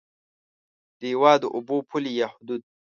د هېواد د اوبو پولې یا حدود